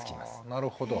なるほど。